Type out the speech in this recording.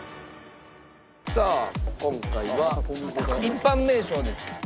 さあ今回は一般名称です。